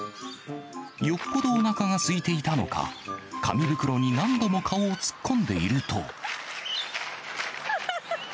よっぽどおなかがすいていたのか、紙袋に何度も顔を突っ込んでいると。